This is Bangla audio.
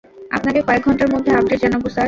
আপনাকে কয়েক ঘন্টার মধ্যে আপডেট জানাবো, স্যার।